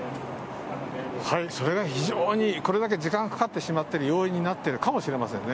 それが非常に、これだけ時間がかかってしまっている要因になっているかもしれませんね。